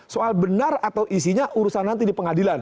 soal benar atau isinya urusan nanti di pengadilan